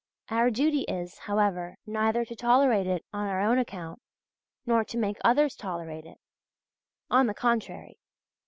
Our duty is, however, neither to tolerate it on our own account, nor to make others tolerate it; on the contrary.